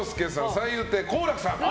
三遊亭好楽さん。